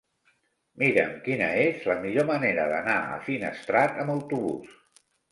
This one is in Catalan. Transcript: Mira'm quina és la millor manera d'anar a Finestrat amb autobús.